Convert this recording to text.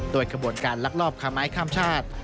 โดยขบวนการลักลอบค้าไม้ข้ามชาติ